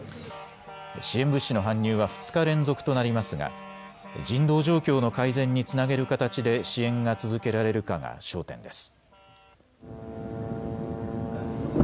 支援物資の搬入は２日連続となりますが人道状況の改善につなげる形で支援が続けられるかが焦点です。